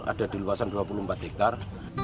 ada di luasan dua puluh empat hektare